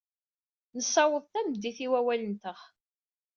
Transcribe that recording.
Nessaweḍ tameddit i wawal-nteɣ.